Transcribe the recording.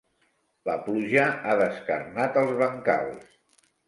La pluja ha descarnat els bancals.